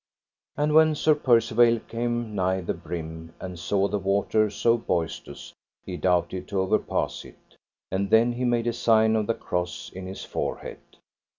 And when Sir Percivale came nigh the brim, and saw the water so boistous, he doubted to overpass it. And then he made a sign of the cross in his forehead.